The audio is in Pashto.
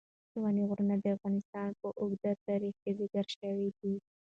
ستوني غرونه د افغانستان په اوږده تاریخ کې ذکر شوی دی.